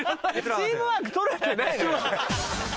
チームワーク取れてないのよ。